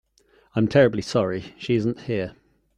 I'm terribly sorry she isn't here.